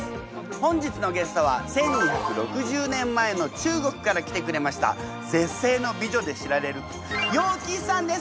本日のゲストは１，２６０年前の中国から来てくれました絶世の美女で知られる楊貴妃さんです！